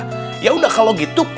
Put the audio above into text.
hmm tuh asik banget tuh